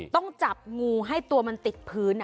ต้องจับงูให้ตัวมันติดพื้น